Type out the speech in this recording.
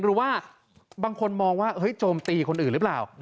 หรือว่าบางคนมองว่าโจมตีคนอื่นหรือเปล่า